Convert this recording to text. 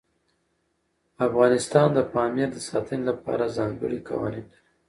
افغانستان د پامیر د ساتنې لپاره ځانګړي قوانین لري.